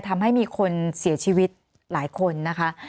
ทำให้มีคนเสียชีวิตหลายคนนะคะ